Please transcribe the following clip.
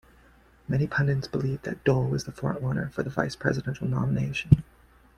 Many pundits believed that Dole was the frontrunner for the Vice Presidential nomination.